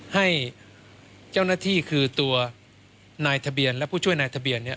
ให้เจ้าหน้าที่คือตัวนายทะเบียนและผู้ช่วยนายทะเบียนเนี่ย